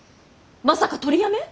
まさか取りやめ？